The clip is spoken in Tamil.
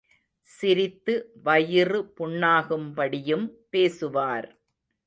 சிரித்து வயிறு புண்ணாகும்படியும் பேசுவார்.